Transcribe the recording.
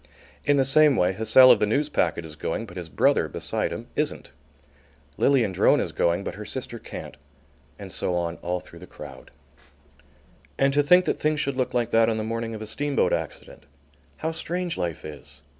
In the same way, Hussell of the Newspacket is going, but his brother, beside him, isn't. Lilian Drone is going, but her sister can't; and so on all through the crowd. And to think that things should look like that on the morning of a steamboat accident. How strange life is!